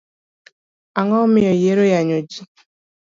Ango miyo ihero yanyo jii?